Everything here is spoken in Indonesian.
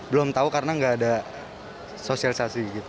belum tahu karena nggak ada sosialisasi gitu